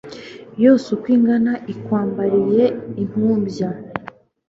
Yose uko ingana, Ikwambariye impumbya,